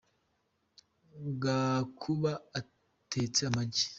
gakuba atetse amagi.